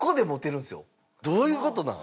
どういう事なん？